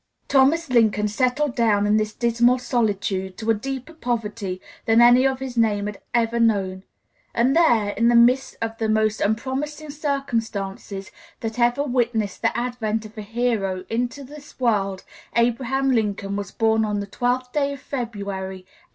Thomas Lincoln settled down in this dismal solitude to a deeper poverty than any of his name had ever known; and there, in the midst of the most unpromising circumstances that ever witnessed the advent of a hero into this world, Abraham Lincoln was born on the 12th day of February, 1809.